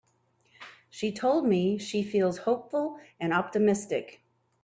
She told me she feels hopeful and optimistic.